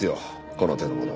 この手のものは。